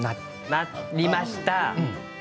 なりました。